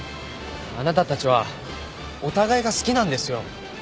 あなたたちはお互いが好きなんですよ。